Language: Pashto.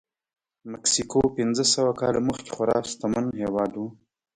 مکسیکو پنځه سوه کاله مخکې خورا شتمن هېواد و.